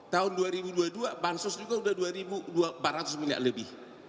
tahun dua ribu dua puluh dua bansos juga sudah dua empat ratus miliar lebih